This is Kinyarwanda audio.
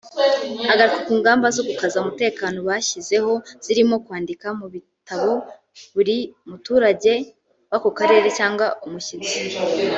Agaruka ku ngamba zo gukaza umutekano bashyizeho zirimo kwandika mu bitabo buri muturage w’ako karere cyangwa umushyitsi